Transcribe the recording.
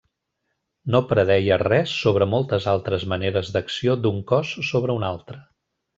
No predeia res sobre moltes altres maneres d'acció d'un cos sobre un altre.